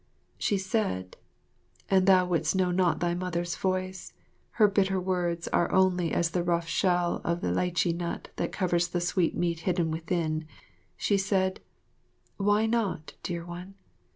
She said and thou would'st not know thy Mother's voice, her bitter words are only as the rough shell of the lichee nut that covers the sweet meat hidden within she said, "Why not, dear one?